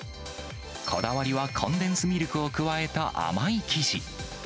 こだわりはコンデンスミルクを加えた甘い生地。